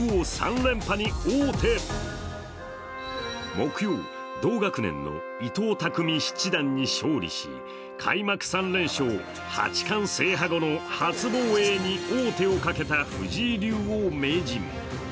木曜、同学年の伊藤匠七段に勝利し開幕３連勝、八冠制覇後の初防衛に王手をかけた藤井竜王・名人。